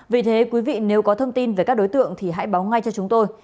vì thế quý vị nếu có thông tin về các đối tượng thì hãy báo ngay cho chúng tôi